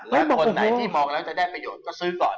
และคนไหนที่มองแล้วจะได้ประโยชน์ก็ซื้อก่อน